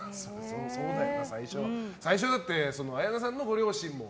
最初、綾菜さんのご両親も